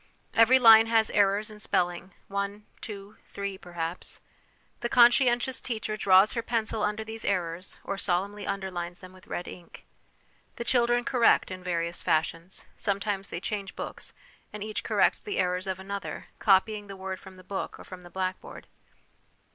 Every line has errors in spelling, one, two, three, perhaps. The conscientious teacher draws her pencil under these errors, or solemnly underlines them with red ink. The children correct in various fashions; sometimes they change books, and each corrects the errors of another, copying the word from the book or from the blackboard.